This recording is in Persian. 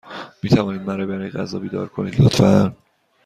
می توانید مرا برای غذا بیدار کنید، لطفا؟